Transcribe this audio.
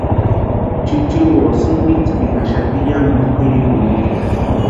Chichiwo sïmpa intsipinhaxati yamintu kwʼiripuni.